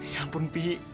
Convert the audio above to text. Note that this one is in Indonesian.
ya ampun pi